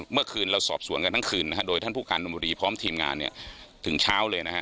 เมื่อคืนเราสอบสวนกันทั้งคืนโดยท่านผู้การดมบุรีพร้อมทีมงานถึงเช้าเลย